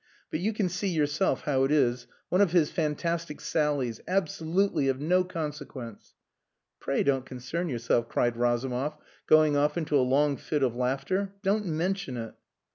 But you can see yourself how it is. One of his fantastic sallies. Absolutely of no consequence." "Pray don't concern yourself," cried Razumov, going off into a long fit of laughter. "Don't mention it."